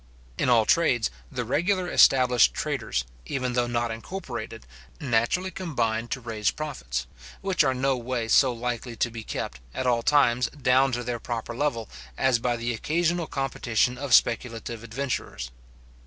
In all trades, the regular established traders, even though not incorporated, naturally combine to raise profits, which are noway so likely to be kept, at all times, down to their proper level, as by the occasional competition of speculative adventurers.